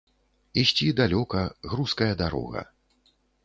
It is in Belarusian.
Ісці далёка, грузкая дарога.